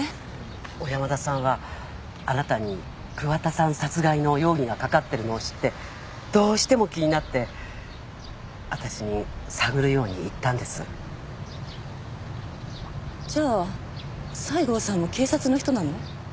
小山田さんはあなたに桑田さん殺害の容疑がかかってるのを知ってどうしても気になって私に探るように言ったんですじゃあ西郷さんも警察の人なの？